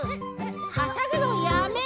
はしゃぐのやめ！